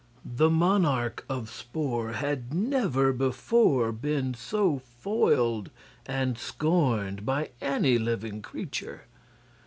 The monarch of Spor had never before been so foiled and scorned by any living creature.